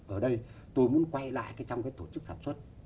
ở đây tôi muốn quay lại trong cái tổ chức sản xuất